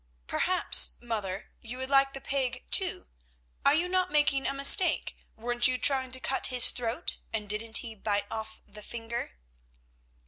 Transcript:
"Perhaps, mother, you would like the pig, too. Are you not making a mistake? Weren't you trying to cut his throat, and didn't he bite off the finger?"